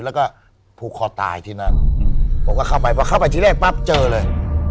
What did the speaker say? แล้วก็ผูกคอตายที่นั่นผมก็เข้าไปพอเข้าไปที่แรกปั๊บเจอเลย